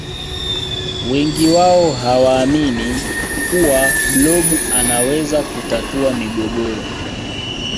wengi wao hawaamini kuwa blob anaweza kutatua migogoro